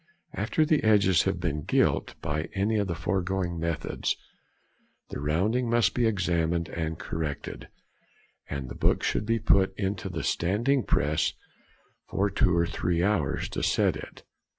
After the edges have been gilt by any of the foregoing methods, the rounding must be examined and corrected; and the book should be put into the standing press for two or three hours, to set it.